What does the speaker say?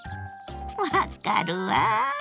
分かるわ！